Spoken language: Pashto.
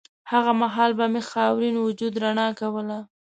هغه مهال به مې خاورین وجود رڼا کوله